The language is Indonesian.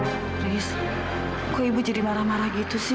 terus kok ibu jadi marah marah gitu sih